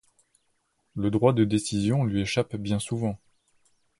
Le droit de décision lui échappe bien souvent.